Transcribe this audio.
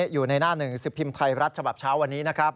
อยู่ในหน้าหนึ่งสิบพิมพ์ไทยรัฐฉบับเช้าวันนี้นะครับ